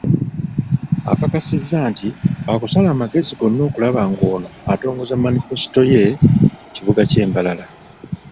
Akakasizza nti, baakusala amagezi gonna okulaba ng'ono atongoza manifesito ye mu kibuga kye Mbarara.